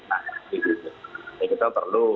nah gitu ya kita perlu